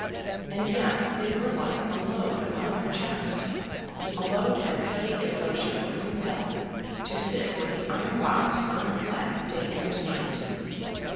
And yet they were like a load upon her chest, a load as heavy as though she were compelled to sit with the iron box on her lap day and night.